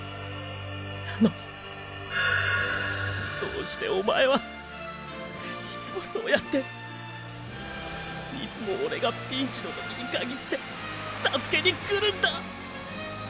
なのにどうしておまえはいつもそうやっていつもオレがピンチの時に限って助けに来るんだ！！